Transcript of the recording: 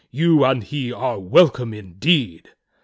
You and he are wel come, indeed!"